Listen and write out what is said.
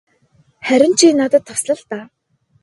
Харин чи надад тусал л даа.